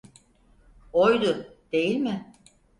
Oydu, değil mi?